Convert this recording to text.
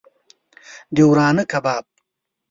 د ورانه کباب